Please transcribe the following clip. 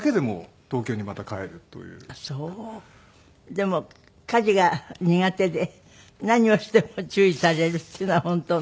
でも家事が苦手で何をしても注意されるっていうのは本当なの？